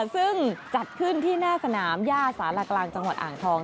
ซึ่งจัดขึ้นที่หน้าสนามย่าสารกลางจังหวัดอ่างทอง